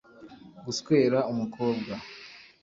guswera umukobwa